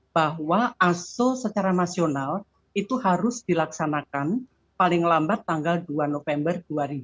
bahwa aso secara nasional itu harus dilaksanakan paling lambat tanggal dua november dua ribu dua puluh